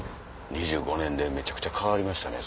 ２５年でめちゃくちゃ変わりましたね